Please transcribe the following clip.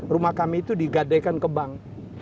rumah kami itu digadaikan ke bank